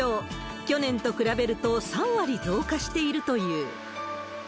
去年と比べると３割増加しているという。